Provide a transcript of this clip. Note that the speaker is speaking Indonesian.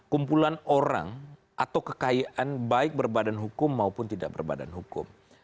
kumpulan orang atau kekayaan baik berbadan hukum maupun tidak berbadan hukum